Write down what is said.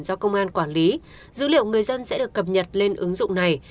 do công an quản lý dữ liệu người dân sẽ được cập nhật lên ứng dụng này